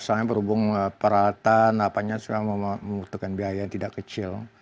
soalnya berhubung peralatan semuanya membutuhkan biaya yang tidak kecil